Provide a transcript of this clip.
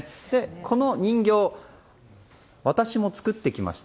この人形私も作ってきました。